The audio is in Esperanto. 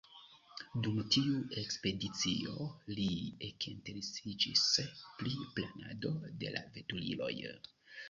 Dum tiu ekspedicio, li ekinteresiĝis pri planado de la veturiloj.